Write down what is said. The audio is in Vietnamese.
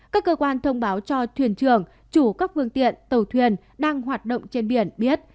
các cơ quan thông báo cho thuyền trường chủ các phương tiện tàu thuyền đang hoạt động trên biển biết